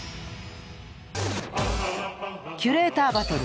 キュレーターバトル